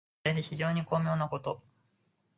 文章が自在で非常に巧妙なこと。